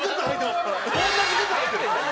同じ靴履いてます。